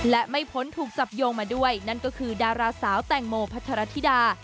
และไม่พ้นถูกจับโยงมาด้วยนั่นก็คือดาราสาวแตงโมพัทรธิดา